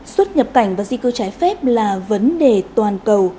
xuất nhập cảnh và di cư trái phép là vấn đề toàn cầu